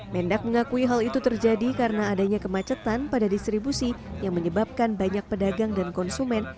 mendak mengakui hal itu terjadi karena adanya kemacetan pada distribusi yang menyebabkan banyak pedagang dan konsumen